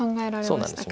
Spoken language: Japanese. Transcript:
そうなんです。